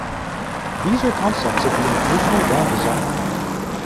These are concepts of the original van design.